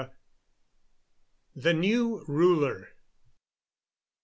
THE NEW RULER.